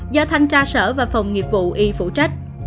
do thanh tra sở và phòng nghiệp vụ y phụ trách